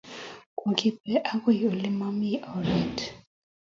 Kokipe akoy ole mami oret